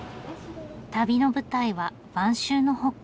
旅の舞台は晩秋の北海道。